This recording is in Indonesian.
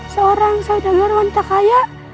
seorang saudara wanita kaya